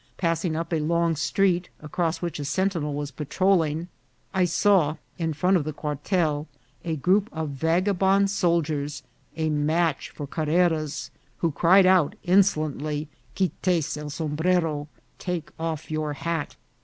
Passing up a long street, across which a sen tinel was patrolling, I saw in front of the quartel a group of vagabond soldiers, a match for Carrera's, who cried out insolently, " Quittez el sombrero," " Take off your hat."